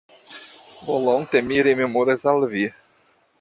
Volonte mi rememoras al Vi.